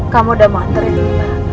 kamu udah mau nganterin mbak